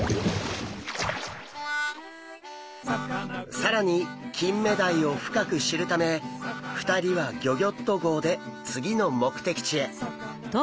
更にキンメダイを深く知るため２人はギョギョッと号で次の目的地へ。